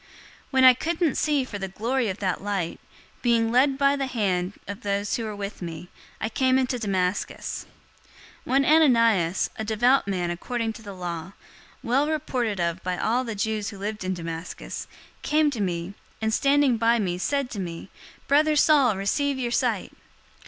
022:011 When I couldn't see for the glory of that light, being led by the hand of those who were with me, I came into Damascus. 022:012 One Ananias, a devout man according to the law, well reported of by all the Jews who lived in Damascus, 022:013 came to me, and standing by me said to me, 'Brother Saul, receive your sight!'